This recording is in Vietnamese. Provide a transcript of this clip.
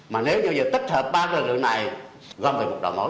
mà nếu như tích hợp ba lực lượng này gom về một đầu mối